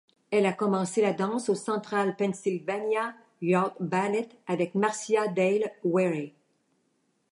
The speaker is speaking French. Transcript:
Elle a commencé la danse au Central Pennsylvania Youth Ballet avec Marcia Dale Weary.